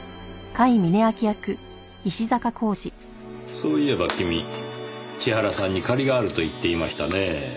そういえば君千原さんに借りがあると言っていましたねぇ。